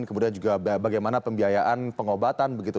kemudian juga bagaimana pembiayaan pengobatan begitu